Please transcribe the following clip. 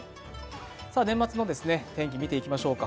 年末年始の天気を見ていきましょうか。